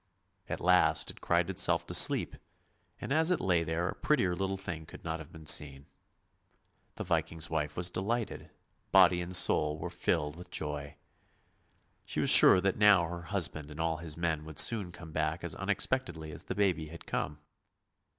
At last it cried itself to sleep, and as it lay there a prettier little thing could not have been seen. The Viking's wife was delighted, body and soul were filled with joy. She was sure that now her husband and all his men would soon come back as unexpectedly as the baby had come.